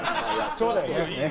そうだよね。